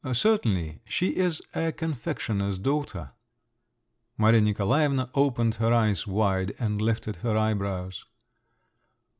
"Certainly. She is a confectioner's daughter." Maria Nikolaevna opened her eyes wide and lifted her eyebrows.